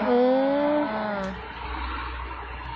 อืม